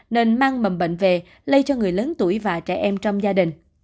nên mang mầm bệnh về lây cho người lớn tuổi và trẻ em trong gia đình